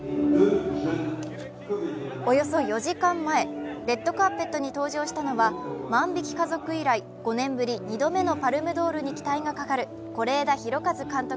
およそ４時間前、レッドカーペットに登場したのは「万引き家族」以来２度目のパルムドールに期待がかかる是枝裕和監督